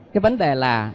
cái vấn đề là